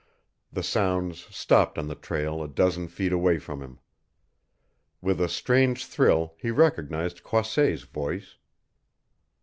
The sounds stopped on the trail a dozen feet away from him. With a strange thrill he recognized Croisset's voice.